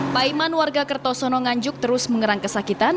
paiman warga kertosono nganjuk terus mengerang kesakitan